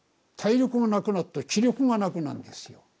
体力がなくなって気力がなくなるんですよ。